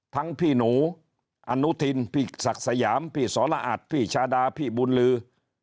พี่หนูอนุทินพี่ศักดิ์สยามพี่สละอัดพี่ชาดาพี่บุญลือ